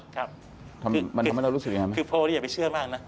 ครับคือโพลนี่อย่าไปเชื่อมากนะมันทำให้เรารู้สึกอย่างไร